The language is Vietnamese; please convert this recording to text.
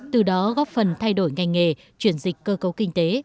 từ đó góp phần thay đổi ngành nghề chuyển dịch cơ cấu kinh tế